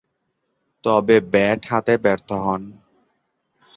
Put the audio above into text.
তবে, ব্যাট হাতে ব্যর্থ হন।